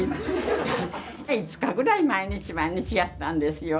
５日ぐらい毎日毎日やったんですよ。